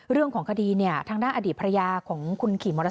เรื่องของคดีทางด้านอดีตพระยาของคุณขีมมรรดา